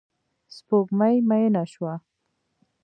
سپوږمۍ میینه شوه